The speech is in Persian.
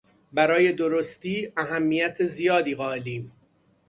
برای درستی اهمیت زیادی قایلم.